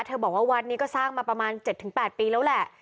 บอกว่าวัดนี้ก็สร้างมาประมาณ๗๘ปีแล้วแหละ